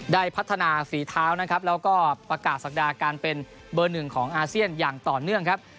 ได้พัฒนาฝีเท้านะครับแล้วก็ประกาศศักดาการเป็นเบอร์หนึ่งของอาเซียนอย่างต่อเนื่องครับ